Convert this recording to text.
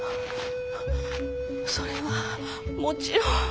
それはもちろん。